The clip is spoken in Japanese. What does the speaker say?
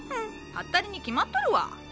ハッタリに決まっとるわ。